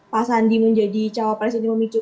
pak sandi menjadi cawapres ini memicu